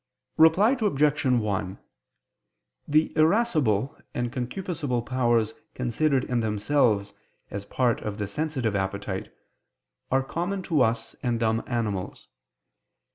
Reply Obj. 1: The irascible and concupiscible powers considered in themselves, as parts of the sensitive appetite, are common to us and dumb animals.